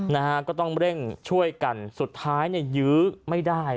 นะฮะก็ต้องเร่งช่วยกันสุดท้ายเนี่ยยื้อไม่ได้